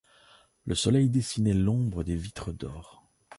Le soleil dessinait l'ombre des vitres d'or.